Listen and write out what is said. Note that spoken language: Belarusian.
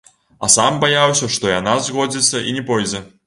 А сам баяўся, што яна згодзіцца і не пойдзе.